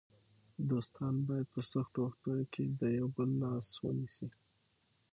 دوستان باید په سختو وختونو کې د یو بل لاس ونیسي.